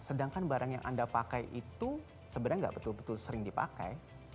sedangkan barang yang anda pakai itu sebenarnya nggak betul betul sering dipakai